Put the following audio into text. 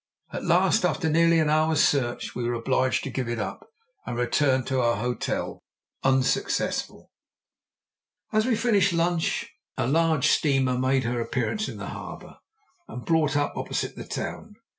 At last, after nearly an hour's search, we were obliged to give it up, and return to our hotel, unsuccessful. As we finished lunch a large steamer made her appearance in the harbour, and brought up opposite the town.